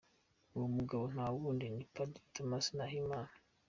Uwo mugabo nta wundi, ni Padiri Thomas Nahimana.